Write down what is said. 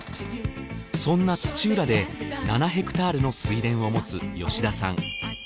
そんな土浦で７ヘクタールの水田を持つ吉田さん。